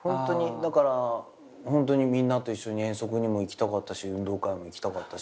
だからみんなと一緒に遠足にも行きたかったし運動会も行きたかったしっていう。